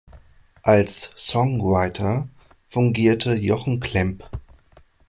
Als Songwriter fungierte Jochen Klemp.